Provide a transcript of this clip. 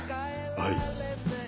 はい。